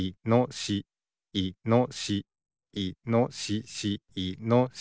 いのしし。